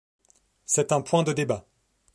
C'est un point de débat.